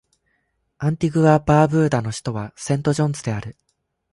アンティグア・バーブーダの首都はセントジョンズである